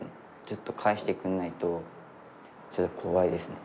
ずっと返してくれないとちょっと怖いですね。